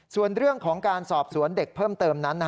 ส่วนเรื่องของการสอบสวนเด็กเพิ่มเติมนั้น